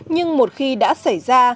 nhưng một khi đã xảy ra